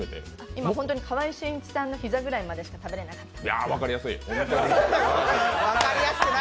今、本当に川合俊一さんの膝ぐらいしか食べれなかった。